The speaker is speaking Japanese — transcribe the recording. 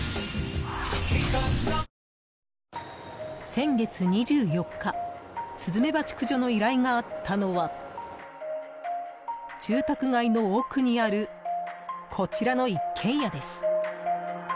先月２４日、スズメバチ駆除の依頼があったのは住宅街の奥にあるこちら一軒家です。